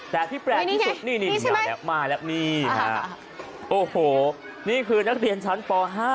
แต่ที่แปลกที่สุดนี่มาแล้วนี่คือนักเรียนชั้นป๕